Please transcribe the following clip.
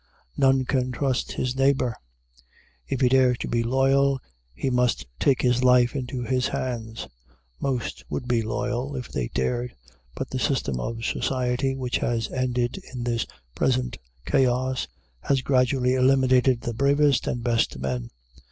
None can trust his neighbor. If he dares to be loyal, he must take his life into his hands. Most would be loyal, if they dared. But the system of society which has ended in this present chaos had gradually eliminated the bravest and best men.